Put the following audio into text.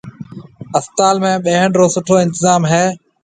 اسپتال ۾ ٻھڻ رو سٺو انتطام ھيََََ